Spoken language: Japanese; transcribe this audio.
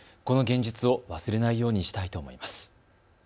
この現実を忘れないようにしたいと思います。